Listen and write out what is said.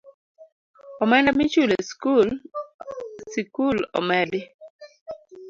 Omenda michulo e sikul omedi